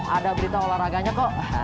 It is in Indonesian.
ada berita olahraganya kok